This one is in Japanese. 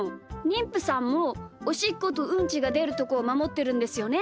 にんぷさんもおしっことうんちがでるところをまもってるんですよね？